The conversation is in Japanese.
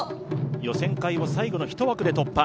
予選会を最後の１枠で突破。